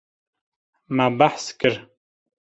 Me behs kir.